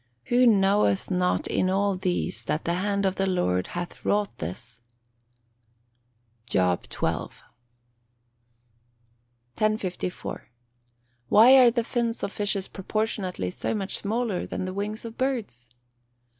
Who knoweth not in all these that the hand of the Lord hath wrought this." JOB XII.] 1054. _Why are the fins of fishes proportionately so much smaller than the wings of birds?